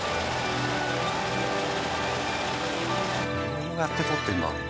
どうやってとってるんだ？